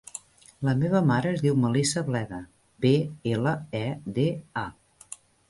La meva mare es diu Melissa Bleda: be, ela, e, de, a.